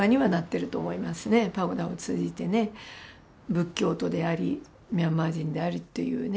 仏教徒でありミャンマー人であるっていうね